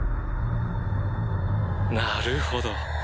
なるほど。